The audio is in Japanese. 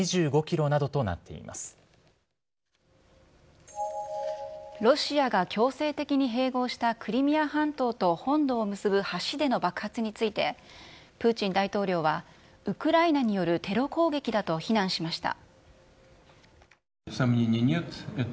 ロシアが強制的に併合したクリミア半島と本土を結ぶ橋での爆発について、プーチン大統領は、ウクライナによるテロ攻撃だと非難しました。